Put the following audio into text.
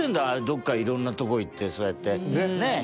どっか色んなとこ行ってそうやってねえ